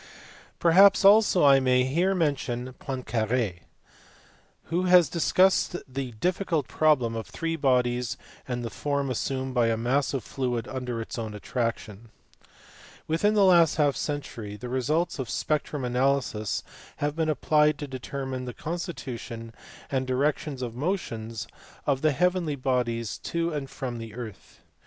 Perhaps also I may here mention Poincare (see above, pp. 471, 482), who has discussed the difficult problem of three bodies, and the form assumed by a mass of fluid under its own attraction. Within the last half century the results of spectrum analysis have been applied to determine the constitution, and directions of motions of the heavenly bodies to and from the earth.